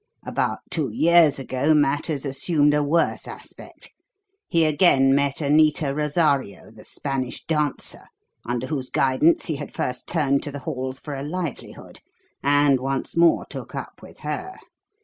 "About two years ago, matters assumed a worse aspect. He again met Anita Rosario, the Spanish dancer, under whose guidance he had first turned to the halls for a livelihood, and once more took up with her.